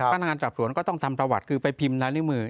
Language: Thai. พนักงานสอบสวนก็ต้องทำประวัติคือไปพิมพ์ลายนิ้วมือ